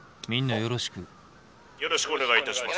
「よろしくお願いします」。